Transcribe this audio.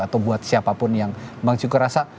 atau buat siapapun yang bang cukur rasa